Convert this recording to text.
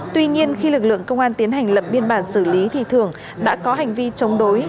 tuy nhiên khi lực lượng công an tiến hành lập biên bản xử lý thì thường đã có hành vi chống đối